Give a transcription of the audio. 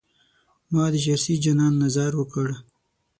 ما د چرسي جانان نه ځار وکړ.